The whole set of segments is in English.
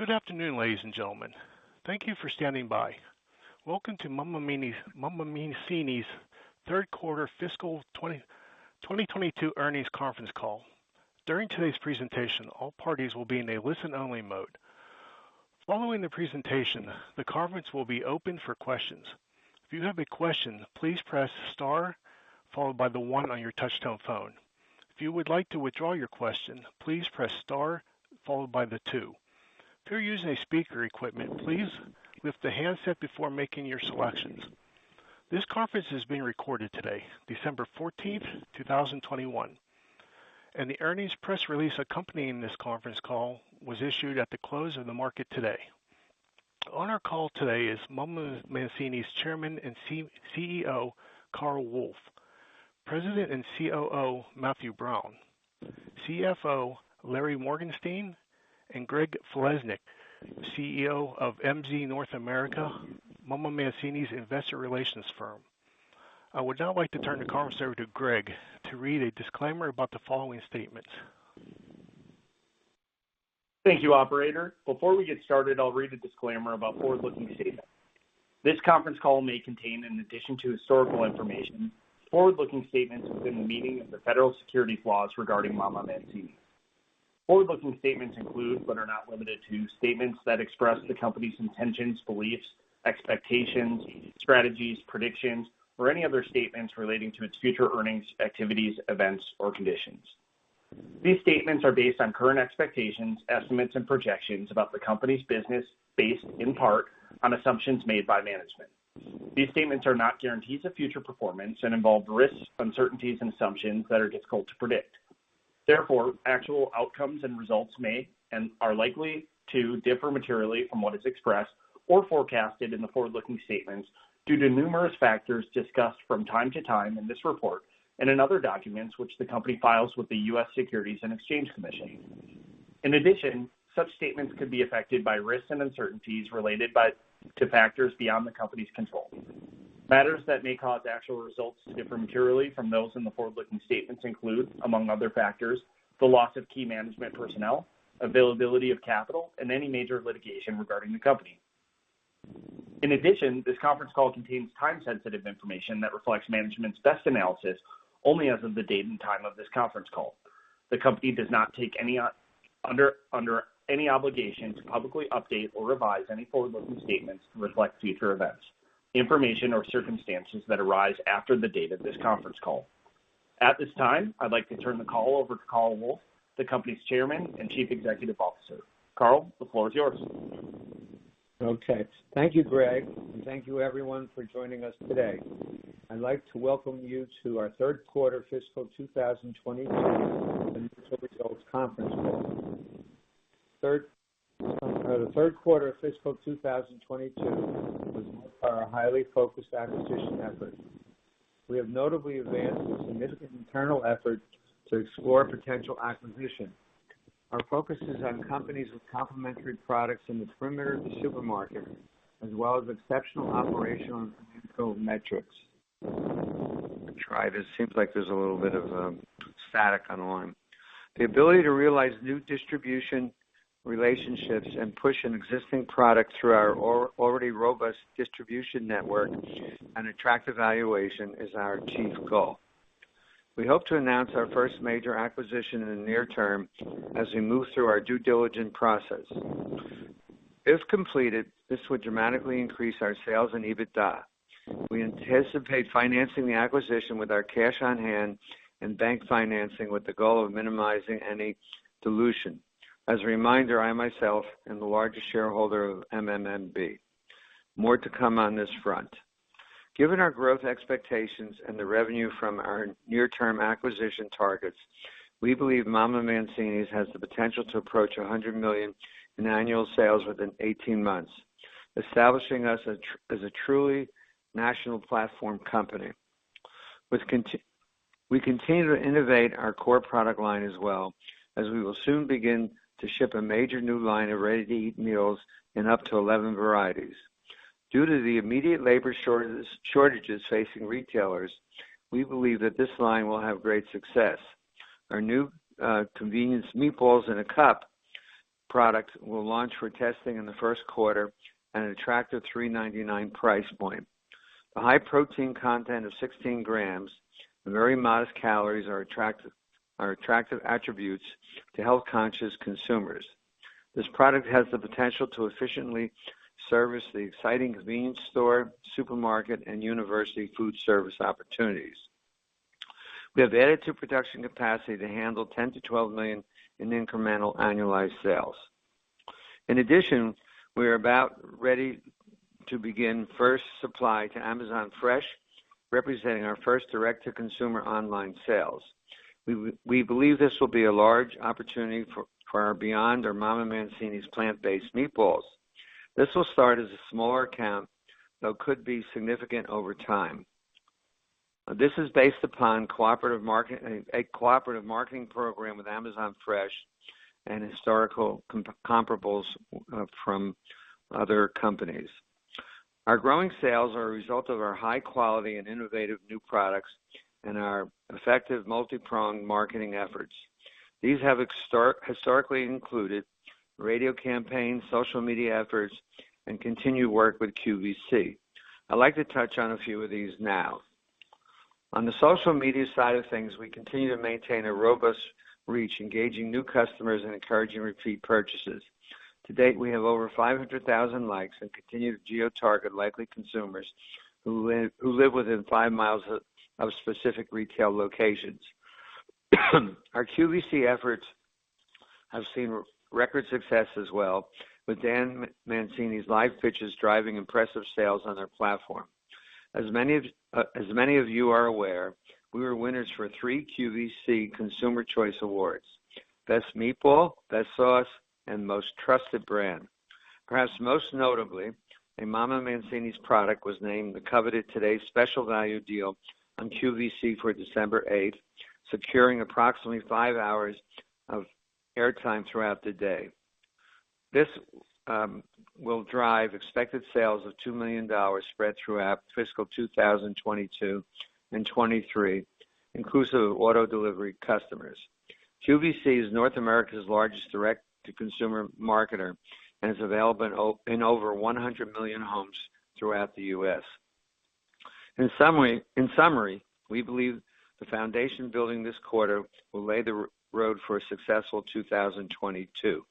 Good afternoon, ladies and gentlemen. Thank you for standing by. Welcome to MamaMancini's Third Quarter Fiscal 2022 Earnings Conference Call. During today's presentation, all parties will be in a listen-only mode. Following the presentation, the conference will be open for questions. If you have a question, please press star followed by one on your touchtone phone. If you would like to withdraw your question, please press star followed by two. If you're using a speaker equipment, please lift the handset before making your selections. This conference is being recorded today, December 14th, 2021. The earnings press release accompanying this conference call was issued at the close of the market today. On our call today is MamaMancini's Chairman and CEO, Carl Wolf, President and COO, Matthew Brown, CFO, Larry Morgenstein, and Greg Falesnik, CEO of MZ North America, MamaMancini's Investor Relations firm. I would now like to turn the conference over to Greg to read a disclaimer about the following statements. Thank you, operator. Before we get started, I'll read a disclaimer about forward-looking statements. This conference call may contain, in addition to historical information, forward-looking statements within the meaning of the federal securities laws regarding MamaMancini's. Forward-looking statements include, but are not limited to, statements that express the company's intentions, beliefs, expectations, strategies, predictions, or any other statements relating to its future earnings, activities, events, or conditions. These statements are based on current expectations, estimates, and projections about the company's business based in part on assumptions made by management. These statements are not guarantees of future performance and involve risks, uncertainties, and assumptions that are difficult to predict. Therefore, actual outcomes and results may and are likely to differ materially from what is expressed or forecasted in the forward-looking statements due to numerous factors discussed from time to time in this report and in other documents which the company files with the U.S. Securities and Exchange Commission. In addition, such statements could be affected by risks and uncertainties related to factors beyond the company's control. Matters that may cause actual results to differ materially from those in the forward-looking statements include, among other factors, the loss of key management personnel, availability of capital, and any major litigation regarding the company. In addition, this conference call contains time-sensitive information that reflects management's best analysis only as of the date and time of this conference call. The company does not undertake any obligation to publicly update or revise any forward-looking statements to reflect future events, information or circumstances that arise after the date of this conference call. At this time, I'd like to turn the call over to Carl Wolf, the company's Chairman and Chief Executive Officer. Carl, the floor is yours. Okay. Thank you, Greg. Thank you everyone for joining us today. I'd like to welcome you to our third quarter fiscal 2022 and initial results conference call. The third quarter of fiscal 2022 was our highly focused acquisition effort. We have notably advanced a significant internal effort to explore potential acquisition. Our focus is on companies with complementary products in the perimeter of the supermarket, as well as exceptional operational and financial metrics. I'll try this. Seems like there's a little bit of static on the line. The ability to realize new distribution relationships and push an existing product through our already robust distribution network and attractive valuation is our chief goal. We hope to announce our first major acquisition in the near term as we move through our due diligence process. If completed, this would dramatically increase our sales and EBITDA. We anticipate financing the acquisition with our cash on hand and bank financing with the goal of minimizing any dilution. As a reminder, I myself am the largest shareholder of MMMB. More to come on this front. Given our growth expectations and the revenue from our near-term acquisition targets, we believe MamaMancini's has the potential to approach $100 million in annual sales within 18 months, establishing us as a truly national platform company. We continue to innovate our core product line as well as we will soon begin to ship a major new line of ready-to-eat meals in up to 11 varieties. Due to the immediate labor shortages facing retailers, we believe that this line will have great success. Our new convenience Meatballs in a Cup product will launch for testing in the first quarter at an attractive $3.99 price point. The high protein content of 16 grams and very modest calories are attractive attributes to health-conscious consumers. This product has the potential to efficiently service the exciting convenience store, supermarket, and university food service opportunities. We have added to production capacity to handle $10 million-$12 million in incremental annualized sales. In addition, we are about ready to begin first supply to Amazon Fresh, representing our first direct-to-consumer online sales. We believe this will be a large opportunity for our MamaMancini's Plant-Based Meatballs. This will start as a smaller account, though could be significant over time. This is based upon a cooperative marketing program with Amazon Fresh and historical comparables from other companies. Our growing sales are a result of our high quality and innovative new products and our effective multi-pronged marketing efforts. These have historically included radio campaigns, social media efforts, and continued work with QVC. I'd like to touch on a few of these now. On the social media side of things, we continue to maintain a robust reach, engaging new customers and encouraging repeat purchases. To date, we have over 500,000 likes and continue to geo-target likely consumers who live within 5 mi of specific retail locations. Our QVC efforts have seen record success as well, with Dan Mancini's live pitches driving impressive sales on their platform. As many of you are aware, we were winners for three QVC Customer Choice Awards, Best Meatball, Best Sauce, and Most Trusted Brand. Perhaps most notably, a MamaMancini's product was named the coveted Today's Special Value deal on QVC for December 8th, securing approximately five hours of airtime throughout the day. This will drive expected sales of $2 million spread throughout fiscal 2022 and 2023, inclusive of auto delivery customers. QVC is North America's largest direct-to-consumer marketer and is available in over 100 million homes throughout the U.S. In summary, we believe the foundation building this quarter will lay the road for a successful 2022.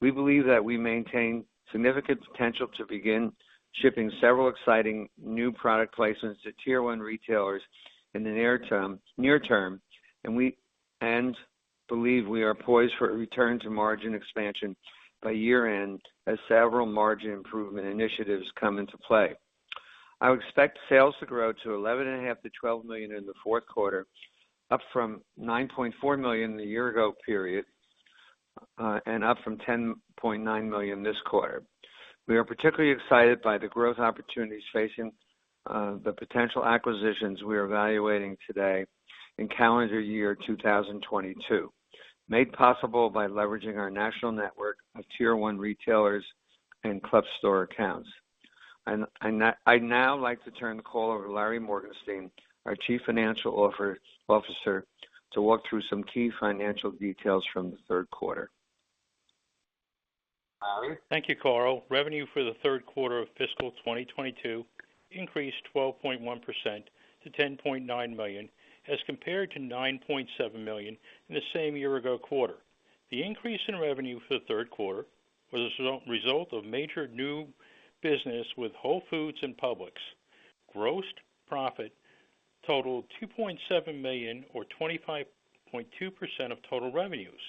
We believe that we maintain significant potential to begin shipping several exciting new product placements to tier one retailers in the near term, and believe we are poised for a return to margin expansion by year-end as several margin improvement initiatives come into play. I would expect sales to grow to $11.5 million-$12 million in the fourth quarter, up from $9.4 million in the year ago period, and up from $10.9 million this quarter. We are particularly excited by the growth opportunities facing the potential acquisitions we are evaluating today in calendar year 2022, made possible by leveraging our national network of tier one retailers and club store accounts. I'd now like to turn the call over to Larry Morgenstein, our Chief Financial Officer, to walk through some key financial details from the third quarter. Larry? Thank you, Carl. Revenue for the third quarter of fiscal 2022 increased 12.1% to $10.9 million, as compared to $9.7 million in the same year ago quarter. The increase in revenue for the third quarter was a result of major new business with Whole Foods and Publix. Gross profit totaled $2.7 million or 25.2% of total revenues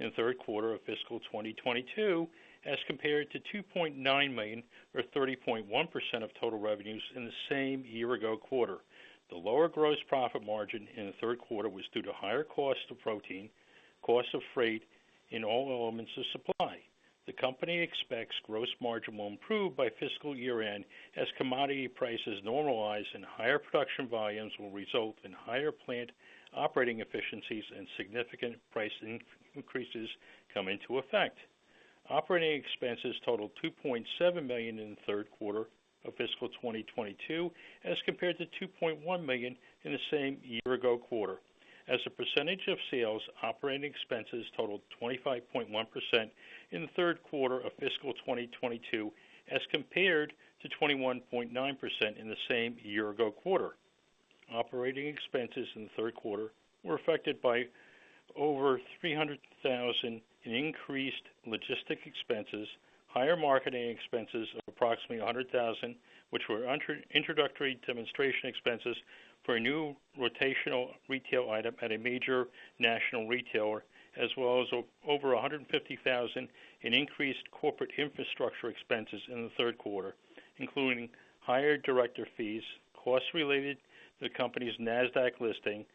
in the third quarter of fiscal 2022, as compared to $2.9 million or 30.1% of total revenues in the same year ago quarter. The lower gross profit margin in the third quarter was due to higher cost of protein, cost of freight in all elements of supply. The company expects gross margin will improve by fiscal year-end as commodity prices normalize and higher production volumes will result in higher plant operating efficiencies and significant pricing increases come into effect. Operating expenses totaled $2.7 million in the third quarter of fiscal 2022, as compared to $2.1 million in the same year ago quarter. As a percentage of sales, operating expenses totaled 25.1% in the third quarter of fiscal 2022, as compared to 21.9% in the same year ago quarter. Operating expenses in the third quarter were affected by over $300,000 in increased logistics expenses, higher marketing expenses of approximately $100,000, which were introductory demonstration expenses for a new rotational retail item at a major national retailer. As well as over $150,000 in increased corporate infrastructure expenses in the third quarter, including higher director fees, costs related to the company's Nasdaq listing,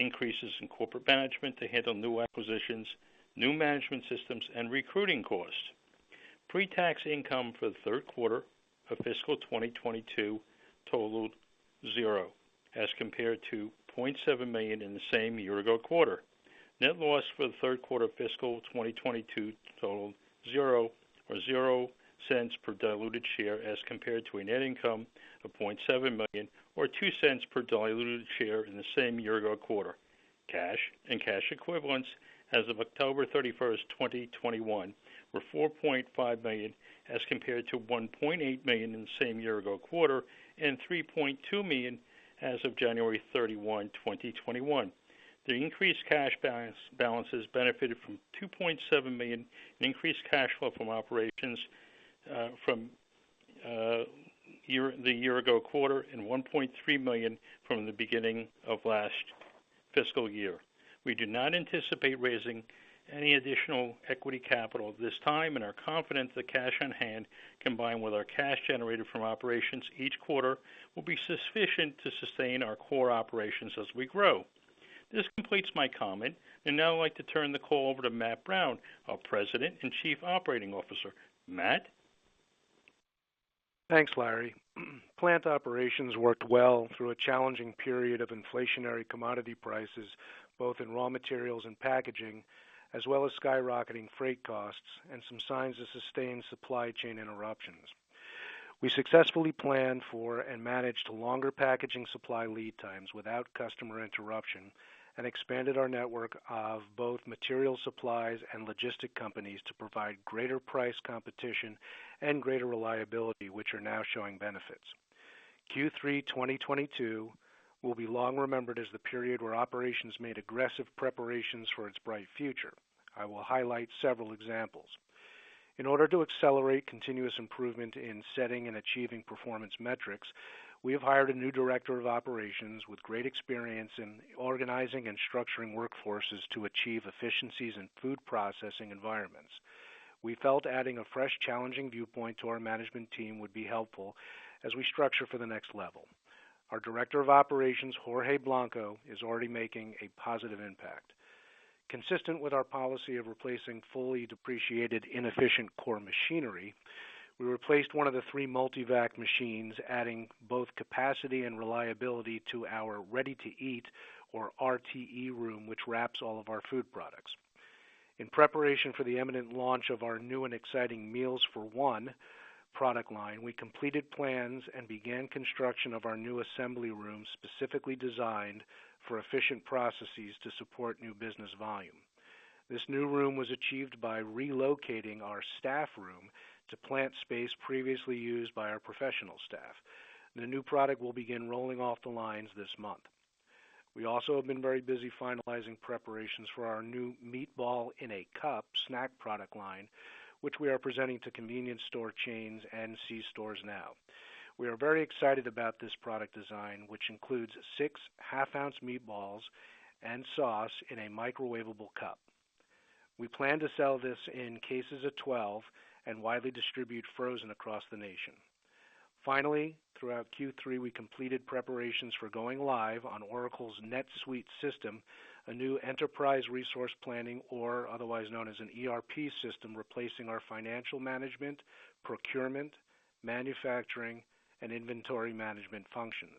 increases in corporate management to handle new acquisitions, new management systems and recruiting costs. Pre-tax income for the third quarter of fiscal 2022 totaled $0, as compared to $0.7 million in the same year ago quarter. Net loss for the third quarter of fiscal 2022 totaled $0 or 0 cents per diluted share as compared to a net income of $0.7 million or $0.2 per diluted share in the same year ago quarter. Cash and cash equivalents as of October 31st, 2021, were $4.5 million as compared to $1.8 million in the same year ago quarter and $3.2 million as of January 31, 2021. The increased cash balance, balances benefited from $2.7 million increased cash flow from operations from the year ago quarter and $1.3 million from the beginning of last fiscal year. We do not anticipate raising any additional equity capital at this time and are confident the cash on hand, combined with our cash generated from operations each quarter, will be sufficient to sustain our core operations as we grow. This completes my comment. I'd now like to turn the call over to Matt Brown, our President and Chief Operating Officer. Matt? Thanks, Larry. Plant operations worked well through a challenging period of inflationary commodity prices, both in raw materials and packaging, as well as skyrocketing freight costs and some signs of sustained supply chain interruptions. We successfully planned for and managed longer packaging supply lead times without customer interruption and expanded our network of both material supplies and logistics companies to provide greater price competition and greater reliability, which are now showing benefits. Q3 2022 will be long remembered as the period where operations made aggressive preparations for its bright future. I will highlight several examples. In order to accelerate continuous improvement in setting and achieving performance metrics, we have hired a new director of operations with great experience in organizing and structuring workforces to achieve efficiencies in food processing environments. We felt adding a fresh, challenging viewpoint to our management team would be helpful as we structure for the next level. Our Director of Operations, Jorge Blanco, is already making a positive impact. Consistent with our policy of replacing fully depreciated, inefficient core machinery, we replaced one of the three MULTIVAC machines, adding both capacity and reliability to our ready-to-eat or RTE room, which wraps all of our food products. In preparation for the imminent launch of our new and exciting Meals for One product line, we completed plans and began construction of our new assembly room, specifically designed for efficient processes to support new business volume. This new room was achieved by relocating our staff room to plant space previously used by our professional staff. The new product will begin rolling off the lines this month. We also have been very busy finalizing preparations for our new Meatballs in a Cup snack product line, which we are presenting to convenience store chains and C-stores now. We are very excited about this product design, which includes 6.5-ounce meatballs and sauce in a microwavable cup. We plan to sell this in cases of 12 and widely distribute frozen across the nation. Finally, throughout Q3, we completed preparations for going live on Oracle's NetSuite system, a new enterprise resource planning, or otherwise known as an ERP system, replacing our financial management, procurement, manufacturing, and inventory management functions.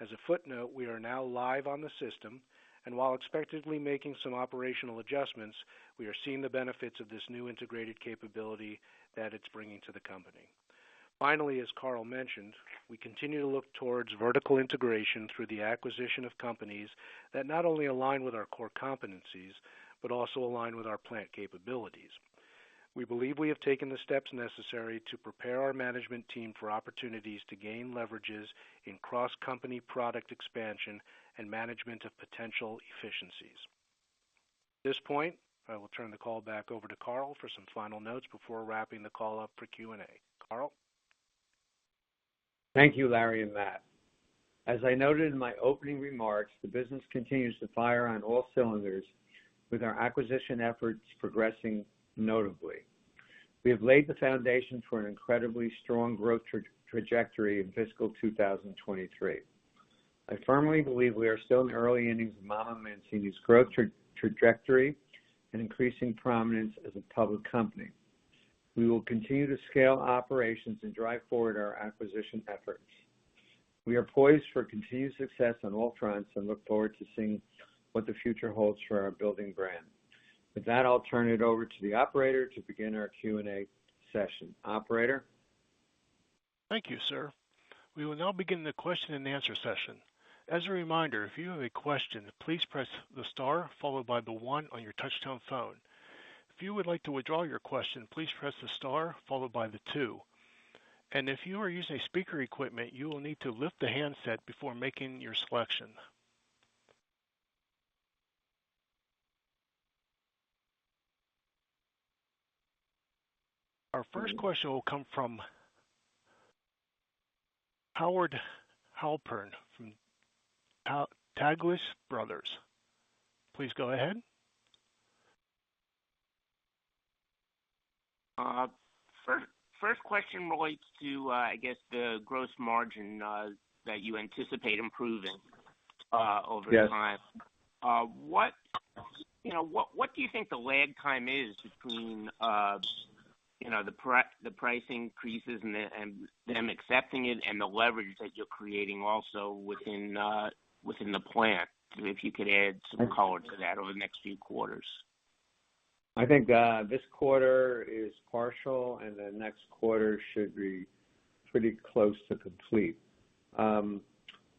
As a footnote, we are now live on the system, and while expectedly making some operational adjustments, we are seeing the benefits of this new integrated capability that it's bringing to the company. Finally, as Carl mentioned, we continue to look towards vertical integration through the acquisition of companies that not only align with our core competencies, but also align with our plant capabilities. We believe we have taken the steps necessary to prepare our management team for opportunities to gain leverages in cross-company product expansion and management of potential efficiencies. At this point, I will turn the call back over to Carl for some final notes before wrapping the call up for Q&A. Carl? Thank you, Larry and Matt. As I noted in my opening remarks, the business continues to fire on all cylinders with our acquisition efforts progressing notably. We have laid the foundation for an incredibly strong growth trajectory in fiscal 2023. I firmly believe we are still in the early innings of MamaMancini's growth trajectory and increasing prominence as a public company. We will continue to scale operations and drive forward our acquisition efforts. We are poised for continued success on all fronts and look forward to seeing what the future holds for our building brand. With that, I'll turn it over to the operator to begin our Q&A session. Operator? Thank you, sir. We will now begin the question and answer session. As a reminder, if you have a question, please press the star followed by the one on your touch-tone phone. If you would like to withdraw your question, please press the star followed by the two. If you are using speaker equipment, you will need to lift the handset before making your selection. Our first question will come from Howard Halpern from Taglich Brothers. Please go ahead. First question relates to, I guess, the gross margin that you anticipate improving over time. Yes. What do you think the lag time is between, you know, the pricing increases and them accepting it and the leverage that you're creating also within the plant? If you could add some color to that over the next few quarters. I think this quarter is partial and the next quarter should be pretty close to complete.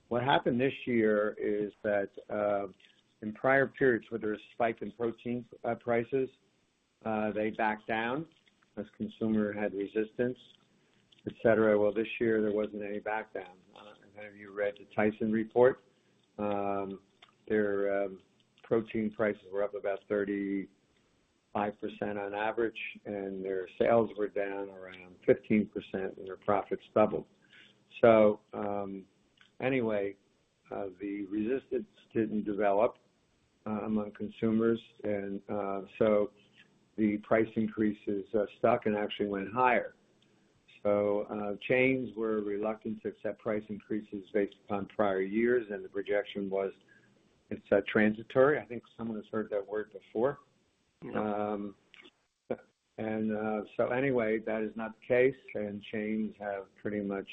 What happened this year is that in prior periods where there was a spike in protein prices they backed down as consumers had resistance, et cetera. Well, this year there wasn't any backdown. I don't know if any of you read the Tyson report. Their protein prices were up about 35% on average, and their sales were down around 15% and their profits doubled. So, anyway, the resistance didn't develop among consumers and so the price increases stuck and actually went higher. So, chains were reluctant to accept price increases based upon prior years, and the projection was it's transitory. I think some of us heard that word before. Yeah. Anyway, that is not the case, and chains have pretty much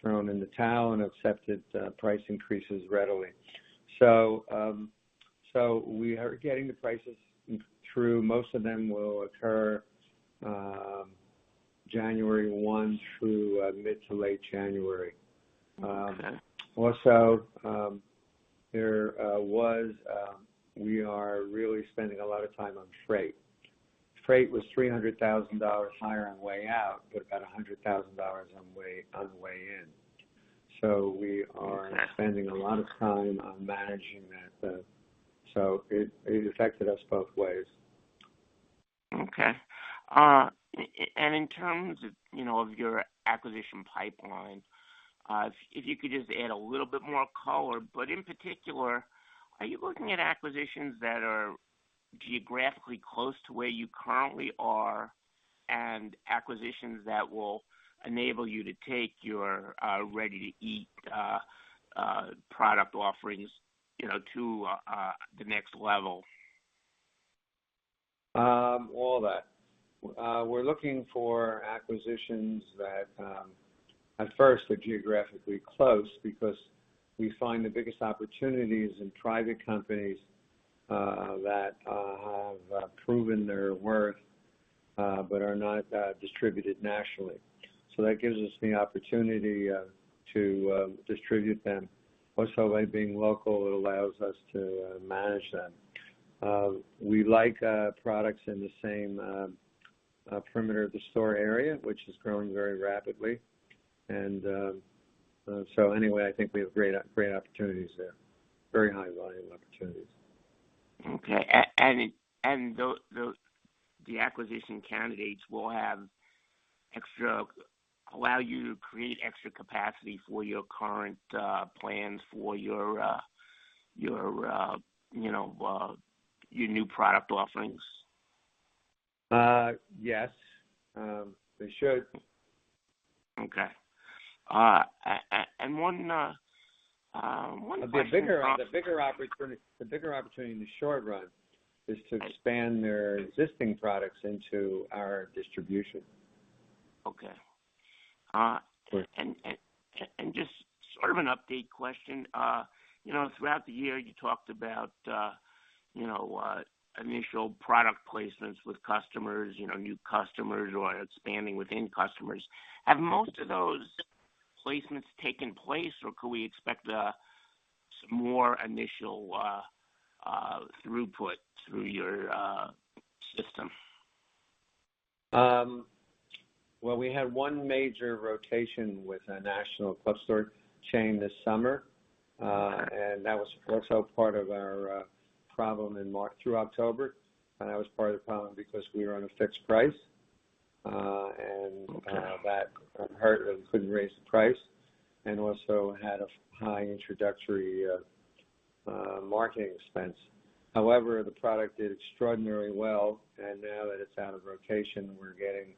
thrown in the towel and accepted price increases readily. We are getting the prices through. Most of them will occur January 1 through mid to late January. Okay. We are really spending a lot of time on freight. Freight was $300,000 higher on the way out, but about $100,000 on the way in. We are. Okay. Spending a lot of time on managing that. It affected us both ways. Okay. In terms of, you know, of your acquisition pipeline, if you could just add a little bit more color. In particular, are you looking at acquisitions that are geographically close to where you currently are and acquisitions that will enable you to take your ready-to-eat product offerings, you know, to the next level? All that, we're looking for acquisitions that at first are geographically close because we find the biggest opportunities in private companies that have proven their worth but are not distributed nationally. That gives us the opportunity to distribute them. Also, by being local, it allows us to manage them. We like products in the same perimeter of the store area, which is growing very rapidly. Anyway, I think we have great opportunities there, very high volume opportunities. Those acquisition candidates allow you to create extra capacity for your current plans for your, you know, your new product offerings? Yes. They should. Okay. One question. The bigger opportunity in the short run is to expand their existing products into our distribution. Okay. Sure. Just sort of an update question. You know, throughout the year, you talked about, you know, initial product placements with customers, you know, new customers or expanding within customers. Have most of those placements taken place, or could we expect some more initial throughput through your system? Well, we had one major rotation with a national club store chain this summer, and that was also part of our problem in March through October. That was part of the problem because we were on a fixed price, and Okay. That hurt and couldn't raise the price, and also had a high introductory marketing expense. However, the product did extraordinarily well, and now that it's out of rotation, we're getting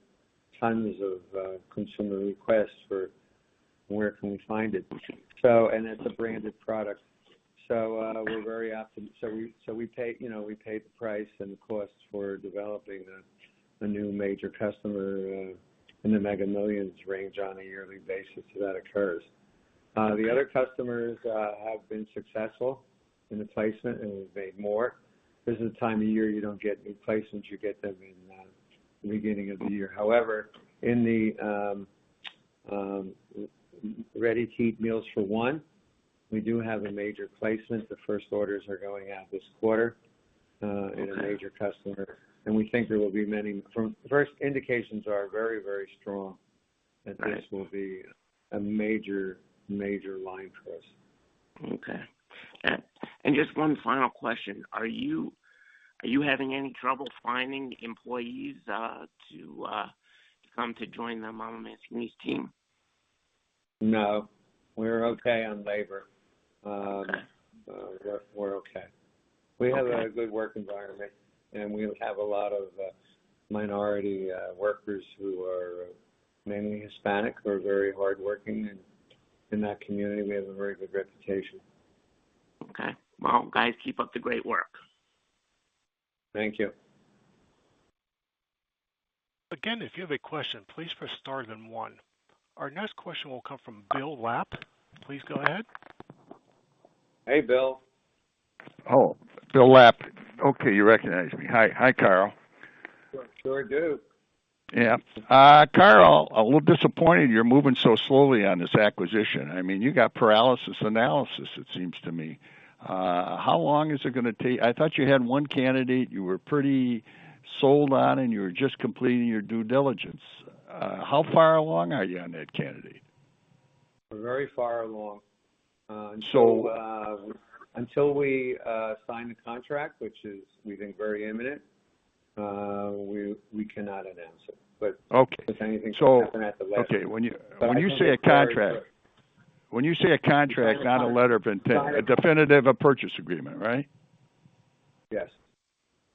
tons of consumer requests for where can we find it. It's a branded product. We're very optimistic. We pay, you know, we pay the price and the costs for developing the new major customer in the mega millions range on a yearly basis that occurs. The other customers have been successful in the placement, and we've made more. This is the time of year you don't get any placements. You get them in the beginning of the year. However, in the ready-to-heat Meals for One, we do have a major placement. The first orders are going out this quarter. Okay. In a major customer, and we think there will be many. The first indications are very, very strong. Right. That this will be a major line for us. Okay. Just one final question. Are you having any trouble finding employees to come to join the MamaMancini's team? No, we're okay on labor. Okay. We're okay. Okay. We have a good work environment, and we have a lot of minority workers who are mainly Hispanic, who are very hardworking. In that community, we have a very good reputation. Okay. Well, guys, keep up the great work. Thank you. Again, if you have a question, please press star then one. Our next question will come from Bill Lapp. Please go ahead. Hey, Bill. Oh, Bill Lapp. Okay, you recognize me. Hi, hi, Carl. Sure do. Carl, I'm a little disappointed you're moving so slowly on this acquisition. I mean, you got analysis paralysis, it seems to me. How long is it gonna take? I thought you had one candidate you were pretty sold on, and you were just completing your due diligence. How far along are you on that candidate? We're very far along. So- Until we sign the contract, which is, we think, very imminent, we cannot announce it. Okay. If anything should happen at the last. Okay, when you say a contract. I think it's very close. When you say a contract, not a letter of intent. A definitive purchase agreement, right? Yes.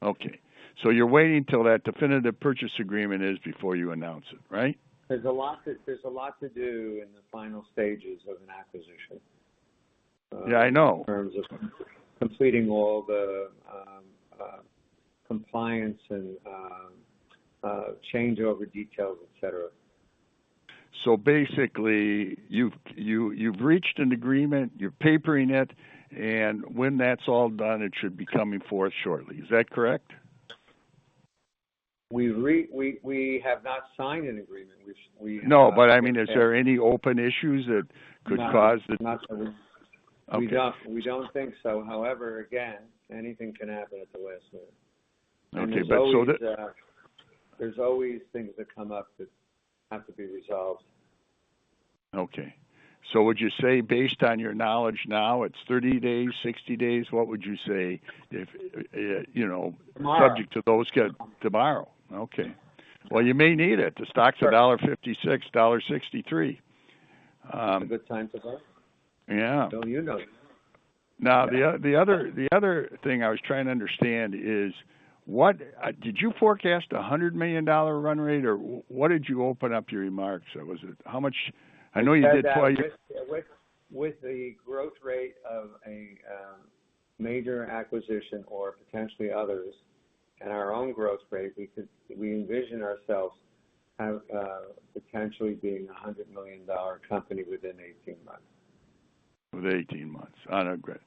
Okay. You're waiting till that definitive purchase agreement is before you announce it, right? There's a lot to do in the final stages of an acquisition. Yeah, I know. In terms of completing all the compliance and changeover details, et cetera. Basically, you've reached an agreement, you're papering it, and when that's all done, it should be coming forth shortly. Is that correct? We have not signed an agreement. No, but I mean, is there any open issues that could cause the? Not that we... Okay. We don't think so. However, again, anything can happen at the last minute. Okay. There's always things that come up that have to be resolved. Okay. Would you say, based on your knowledge now, it's 30 days, 60 days? What would you say if, you know- Tomorrow. Tomorrow, okay. Well, you may need it. The stock's $1.56-$1.63. It's a good time to buy. Yeah. Don't you know it. Now, the other thing I was trying to understand is what did you forecast, a $100 million run rate, or what did you open up your remarks? Or was it how much? I know you did With the growth rate of a major acquisition or potentially others and our own growth rate, we envision ourselves have potentially being a $100 million company within 18 months. With 18 months. I don't get.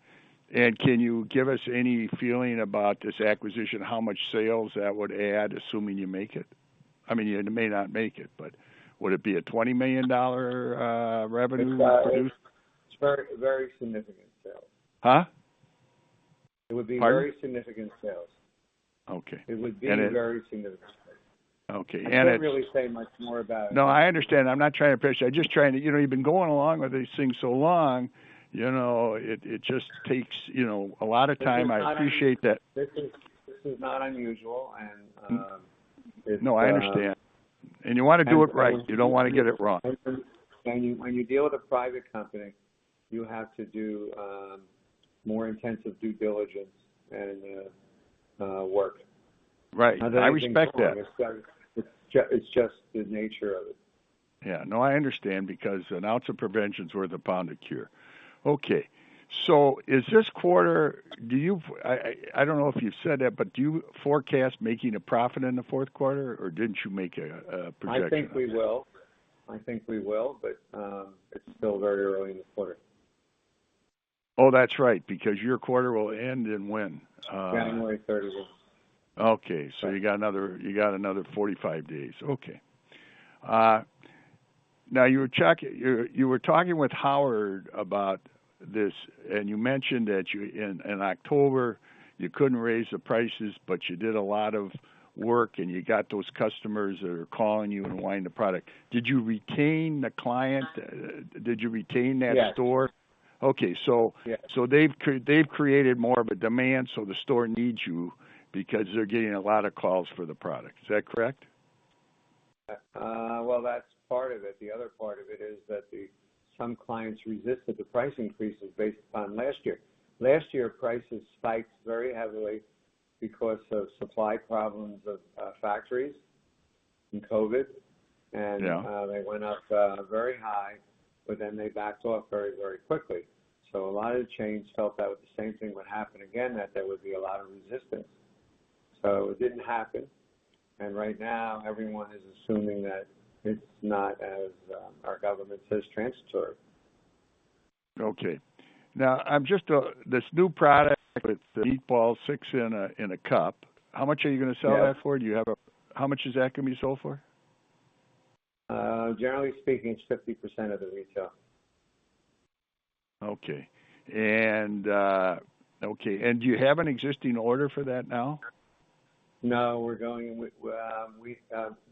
Can you give us any feeling about this acquisition, how much sales that would add, assuming you make it? I mean, you may not make it, but would it be a $20 million revenue produced? It's very, very significant sales. Huh? It would be- Pardon? Very significant sales. Okay. It would be very significant. Okay. I can't really say much more about it. No, I understand. I'm not trying to push. I'm just trying to, you know, you've been going along with these things so long, you know, it just takes, you know, a lot of time. I appreciate that. This is not unusual and it's No, I understand. You wanna do it right. You don't wanna get it wrong. When you deal with a private company, you have to do more intensive due diligence and work. Right. I respect that. It's just the nature of it. Yeah. No, I understand because an ounce of prevention is worth a pound of cure. Okay, I don't know if you said it, but do you forecast making a profit in the fourth quarter, or didn't you make a projection on that? I think we will, but it's still very early in the quarter. Oh, that's right, because your quarter will end in when? January 31st. Okay. You got another 45 days. Okay. Now you were talking with Howard about this, and you mentioned that in October you couldn't raise the prices, but you did a lot of work, and you got those customers that are calling you and wanting the product. Did you retain the client? Did you retain that store? Yes. Okay. Yeah. They've created more of a demand, so the store needs you because they're getting a lot of calls for the product. Is that correct? Well, that's part of it. The other part of it is that some clients resisted the price increases based upon last year. Last year, prices spiked very heavily because of supply problems of factories and COVID. Yeah. They went up very high, but then they backed off very, very quickly. A lot of the chains felt that the same thing would happen again, that there would be a lot of resistance. It didn't happen. Right now, everyone is assuming that it's not as transitory as our government says. Okay. Now I'm just this new product, it's meatballs, six in a cup. How much are you gonna sell that for? Yes. How much is that gonna be sold for? Generally speaking, it's 50% of the retail. Okay. Do you have an existing order for that now? No.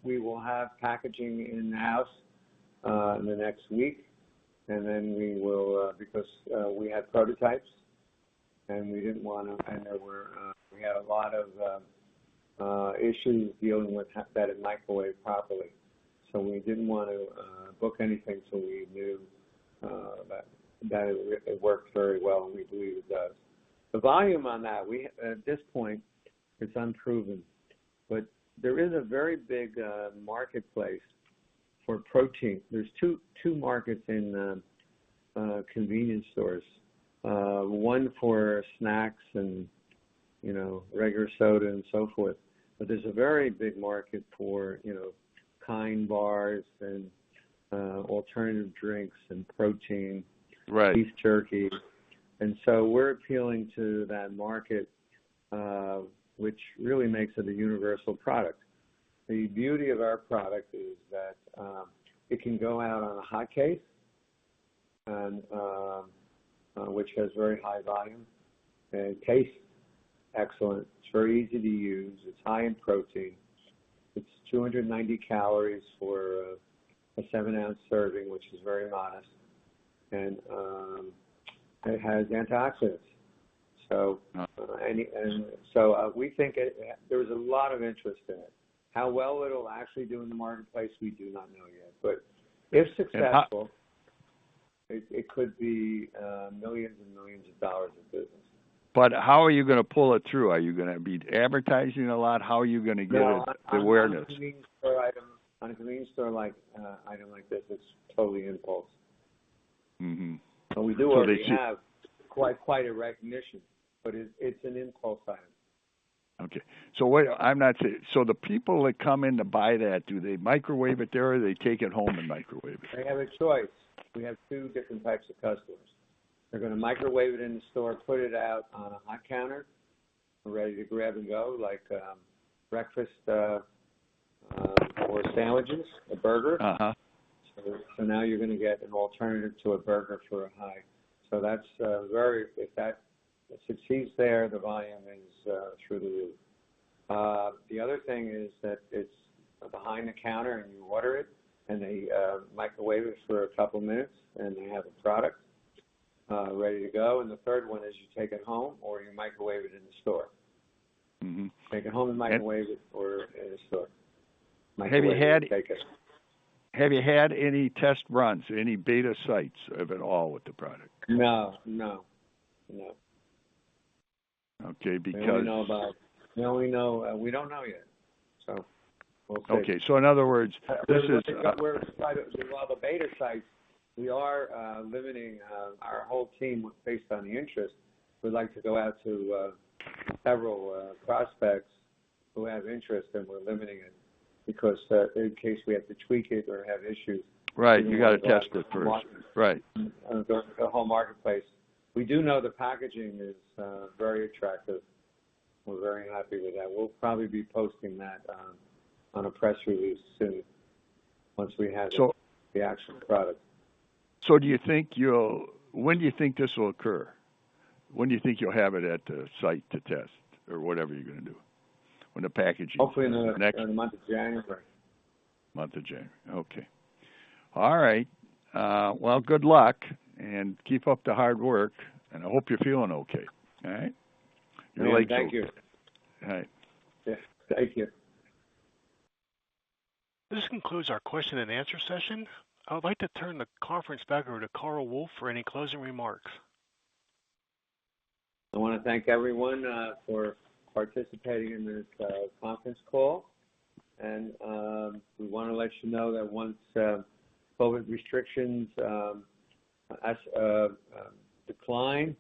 We will have packaging in-house in the next week, and then we will because we had prototypes, and we didn't want to. There were a lot of issues dealing with that it microwaved properly. So we didn't want to book anything till we knew that it worked very well, and we believe it does. The volume on that, at this point, it's unproven. There is a very big marketplace for protein. There are two markets in convenience stores, one for snacks and, you know, regular soda and so forth. There is a very big market for, you know, KIND bars and alternative drinks and protein. Right. Beef jerky. We're appealing to that market, which really makes it a universal product. The beauty of our product is that it can go out on a hot case and which has very high volume and tastes excellent. It's very easy to use. It's high in protein. It's 290 calories for a seven-ounce serving, which is very modest. It has antioxidants. Oh. We think there's a lot of interest in it. How well it'll actually do in the marketplace, we do not know yet. If successful- And how- It could be millions and millions of dollars of business. How are you gonna pull it through? Are you gonna be advertising a lot? How are you gonna get the awareness? On a convenience store like, item like this, it's totally impulse. Mm-hmm. We do already have quite a recognition, but it's an impulse item. The people that come in to buy that, do they microwave it there or they take it home and microwave it? They have a choice. We have two different types of customers. They're gonna microwave it in the store, put it out on a hot counter, ready to grab and go, like, breakfast, or sandwiches, a burger. Uh-huh. Now you're gonna get an alternative to a burger for a hike. If it's there, the volume is through the roof. The other thing is that it's behind the counter and you order it, and they microwave it for a couple of minutes, and you have a product ready to go. The third one is you take it home or you microwave it in the store. Mm-hmm. Take it home and microwave it or in a store. Have you had- Microwave it and take it. Have you had any test runs, any beta sites at all with the product? No. Okay. We don't know yet. We'll see. Okay. In other words, this is, We're excited. We have a beta site. We are limiting our whole team based on the interest. We'd like to go out to several prospects who have interest, and we're limiting it because in case we have to tweak it or have issues. Right. You gotta test it first. The market. Right. The whole marketplace. We do know the packaging is very attractive. We're very happy with that. We'll probably be posting that on a press release soon once we have So- The actual product. When do you think this will occur? When do you think you'll have it at the site to test or whatever you're gonna do? When the packaging is Hopefully in the- Next- Month of January. Month of January. Okay. All right. Well, good luck, and keep up the hard work, and I hope you're feeling okay. All right? Yeah. Thank you. All right. Yes. Thank you. This concludes our question and answer session. I would like to turn the conference back over to Carl Wolf for any closing remarks. I wanna thank everyone for participating in this conference call. We wanna let you know that once COVID restrictions decline,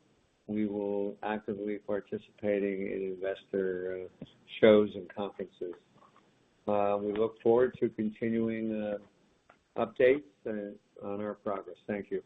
we will actively participating in investor shows and conferences. We look forward to continuing updates on our progress. Thank you.